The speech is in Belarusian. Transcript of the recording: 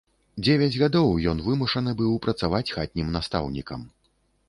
Дзевяць гадоў ён вымушаны быў працаваць хатнім настаўнікам.